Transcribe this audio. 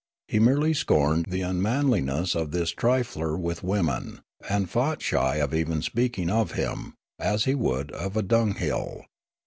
He merely scorned the unmanliness of this trifler with women, and fought shy of even speaking of him, as he would of a dunghill.